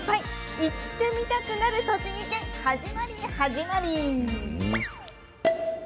行ってみたくなる栃木県始まり始まり。